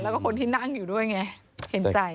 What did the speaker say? แล้วก็คนที่นั่งอยู่ด้วยไงเห็นใจ